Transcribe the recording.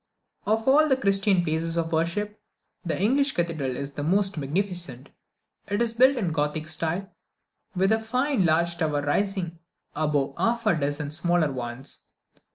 Of all the Christian places of worship, the English Cathedral is the most magnificent. It is built in the Gothic style, with a fine large tower rising above half a dozen smaller ones.